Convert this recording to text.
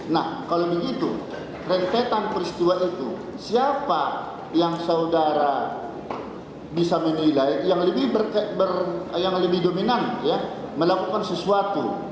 nah kalau begitu rentetan peristiwa itu siapa yang saudara bisa menilai yang lebih dominan melakukan sesuatu